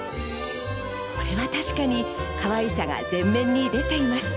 これは確かにかわいさが前面に出ています。